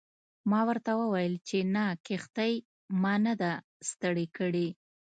ما ورته وویل چې نه کښتۍ ما نه ده ستړې کړې.